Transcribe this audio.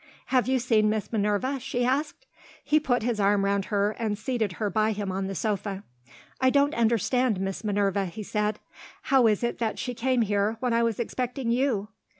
"Have you seen Miss Minerva?" she asked. He put his arm round her, and seated her by him on the sofa. "I don't understand Miss Minerva," he said. "How is it that she came here, when I was expecting You?"